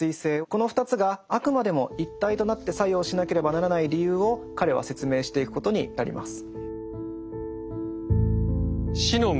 この２つがあくまでも一体となって作用しなければならない理由を彼は説明していくことになります。